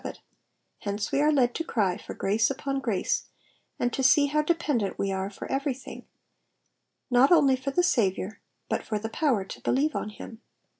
of it ; hence we are led to cry for grace upon grace, and to see how dependent we are for everything, not only for the 8a^?iour, but for the power to believe on him.